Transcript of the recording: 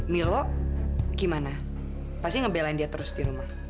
milo gimana pasti ngebelain dia terus di rumah